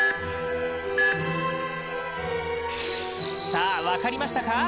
さあ、分かりましたか？